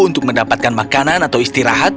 untuk mendapatkan makanan atau istirahat